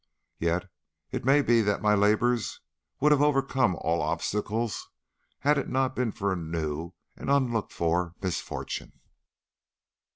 Yet it may be that my labours would have overcome all obstacles had it not been for a new and unlooked for misfortune.